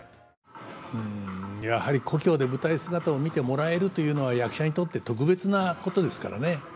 うんやはり故郷で舞台姿を見てもらえるというのは役者にとって特別なことですからね。